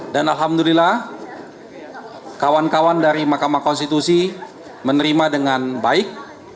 dan alhamdulillah kawan kawan dari makamah konstitusi menerima dengan baik